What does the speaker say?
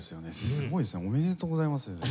すごいですね。おめでとうございますですね